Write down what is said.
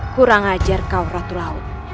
kurang ajar kaum ratu laut